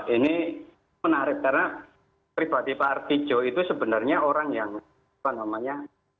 ini menarik karena pribadi pak artijo itu sebenarnya orang yang apa namanya